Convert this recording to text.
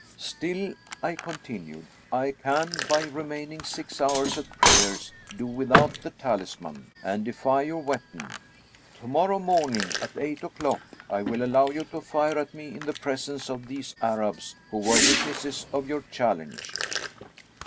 " Still," I continued, " I can, by remaining six hours at prayers, do without the talisman, and defy your weapon. To morrow morning, at eight o'clock, I will allow you to fire at me in the presence of these Arabs, who were wit nesses of your challenge."